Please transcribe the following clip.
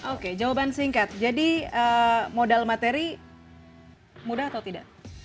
oke jawaban singkat jadi modal materi mudah atau tidak